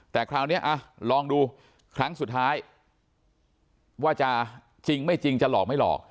แต่คราวนี้ลองดูครั้งสุดท้ายว่าจะจริงไม่จริงจะหลอกไม่หลอก